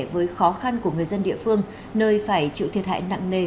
với khó khăn của người dân địa phương nơi phải chịu thiệt hại nặng nề